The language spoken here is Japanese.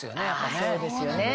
そうですよね。